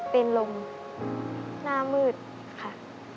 เป็นลมหน้ามืดค่ะ